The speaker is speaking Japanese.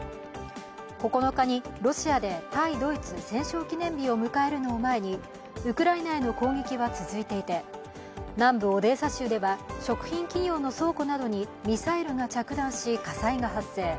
９日にロシアで対ドイツ戦勝記念日を迎えるのを前にウクライナへの攻撃は続いていて南部オデーサ州では食品企業の倉庫などにミサイルが着弾し火災が発生。